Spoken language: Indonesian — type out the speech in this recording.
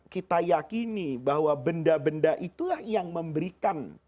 kita yakini bahwa benda benda itulah yang memberikan